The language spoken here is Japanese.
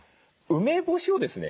梅干しをですね